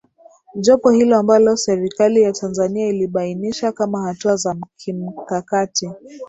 Jopo hilo ambalo Serikali ya Tanzania ilibainisha kama hatua za kimkakati